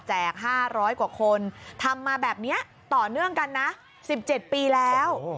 ๕๐๐กว่าคนทำมาแบบนี้ต่อเนื่องกันนะ๑๗ปีแล้ว